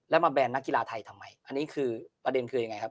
แล้วมาแบนนักกีฬาไทยทำไมอันนี้คือประเด็นคือยังไงครับ